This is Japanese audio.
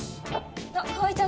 あっ川合ちゃん